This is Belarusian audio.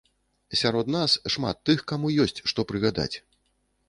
Сярод нас шмат тых, каму ёсць, што прыгадаць.